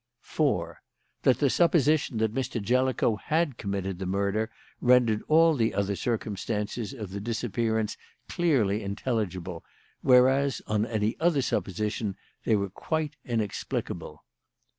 "4. That the supposition that Mr. Jellicoe had committed the murder rendered all the other circumstances of the disappearance clearly intelligible, whereas on any other supposition they were quite inexplicable.